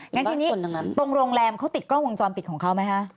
งั้นทีนี้ตรงโรงแรมเขาติดกล้องวงจรปิดของเขาไหมคะ